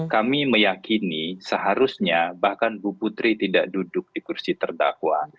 kami meyakini seharusnya bahkan bu putri tidak duduk di kursi terdakwa